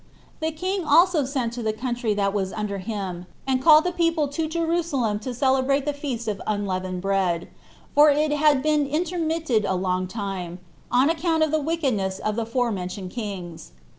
The king also sent to the country that was under him, and called the people to Jerusalem to celebrate the feast of unleavened bread, for it had been intermitted a long time, on account of the wickedness of the forementioned kings.